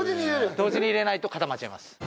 同時に入れないと固まっちゃいます。